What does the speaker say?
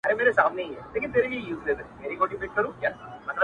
• یو ستا سره مي مینه ولي ورځ په ورځ زیاتېږي ,